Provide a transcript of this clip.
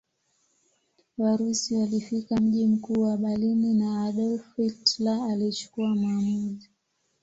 Warusi walifika mji mkuu wa Berlini na Adolf Hitler alichukua maamuzi